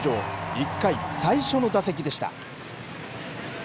１回、最初の打席でした。